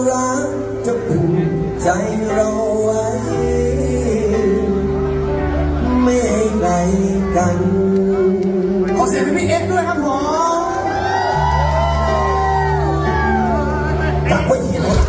ไม่ไกลกัน